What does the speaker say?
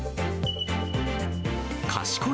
賢い？